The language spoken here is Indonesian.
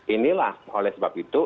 inilah oleh sebab itu